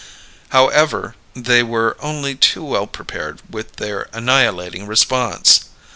However, they were only too well prepared with their annihilating response.